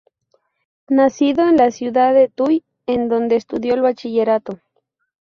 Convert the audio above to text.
Nacido en la ciudad de Tuy, en donde estudió el Bachillerato.